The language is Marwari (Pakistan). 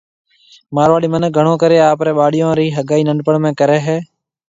مارواڙي مِنک گھڻو ڪرَي آپرَي ٻاݪون رِي ھگائي ننڊپڻ ۾ ڪرَي ھيَََ